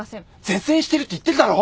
絶縁してるって言ってるだろ！